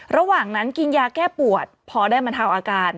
ระหว่างนั้นกินยาแก้ปวดพอได้บรรเทาอาการ